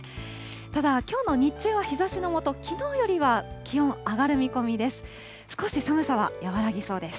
ただ、きょうの日中は日ざしの下、きのうよりは気温、上がる見込みです。